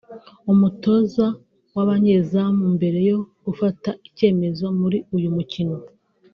umutoza w’abanyezamu mbere yo gufata icyemezo muri uyu mukino